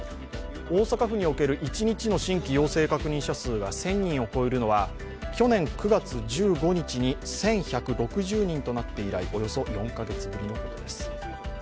大阪府における一日の新規陽性確認者数が１０００人を超えるのは去年９月１５日に１１６０人となって以来およそ４カ月ぶりのことです。